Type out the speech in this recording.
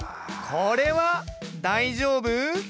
これは大丈夫？